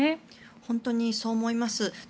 本当にそう思います。